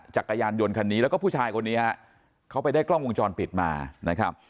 จักรยานยนต์คันนี้แล้วก็ผู้ชายคนนี้ฮะเขาไปได้กล้องวงจรปิดมานะครับ